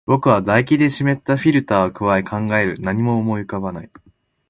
僕は唾液で湿ったフィルターを咥え、考える。何も思い浮かばない。